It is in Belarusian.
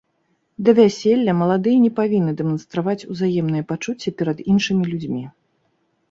Да вяселля маладыя не павінны дэманстраваць узаемныя пачуцці перад іншымі людзьмі.